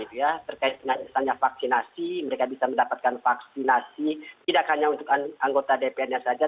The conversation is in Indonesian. terkait dengan misalnya vaksinasi mereka bisa mendapatkan vaksinasi tidak hanya untuk anggota dpr nya saja